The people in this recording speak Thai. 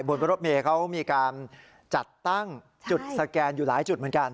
บนรถเมย์เขามีการจัดตั้งจุดสแกนอยู่หลายจุดเหมือนกัน